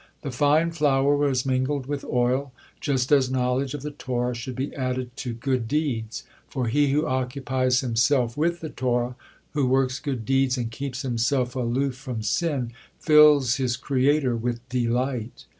The fine flour was mingled with oil, just as knowledge of the Torah should be added to good deeds; for he who occupies himself with the Torah, who works good deeds, and keeps himself aloof from sin, fills his Creator with delight.